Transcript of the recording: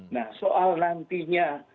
nah soal nantinya